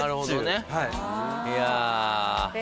いや。